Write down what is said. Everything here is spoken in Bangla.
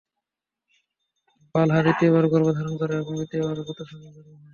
বালহা দ্বিতীয়বার গর্ভ ধারণ করে এবং দ্বিতীয়বারও পুত্র সন্তান জন্ম হয়।